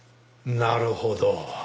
なるほど。